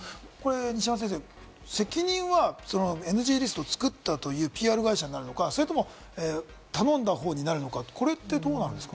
西山先生、責任はＮＧリストを作ったというＰＲ会社になるのか、それとも頼んだ方になるのか、どうなんですか？